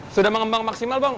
sudah mengembang maksimal bang